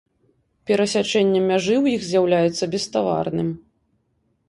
Перасячэнне мяжы ў іх з'яўляецца беставарным.